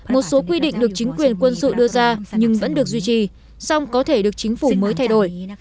một số quy định được chính quyền quân sự đưa ra nhưng vẫn được duy trì song có thể được chính phủ mới thay đổi